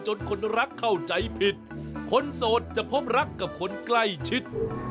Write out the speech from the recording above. คนรักเข้าใจผิดคนโสดจะพบรักกับคนใกล้ชิด